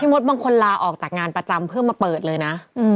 มดบางคนลาออกจากงานประจำเพื่อมาเปิดเลยนะ